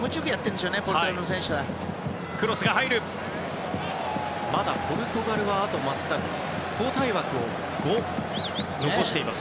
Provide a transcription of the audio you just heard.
まだポルトガルは交代枠を５、残しています。